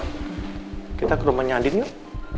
ma kita ke rumahnya andin yuk